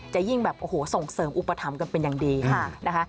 จะยิ่งส่งเสริมอุปถัมภ์กันเป็นอย่างดีค่ะ